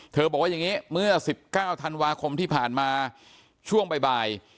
บอกว่าอย่างนี้เมื่อ๑๙ธันวาคมที่ผ่านมาช่วงบ่าย